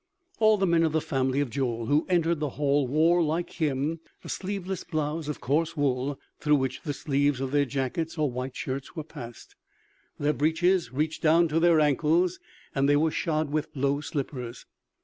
All the men of the family of Joel who entered the hall wore, like him, a sleeveless blouse of coarse wool, through which the sleeves of their jackets or white shirts were passed. Their breeches reached down to their ankles; and they were shod with low slippers.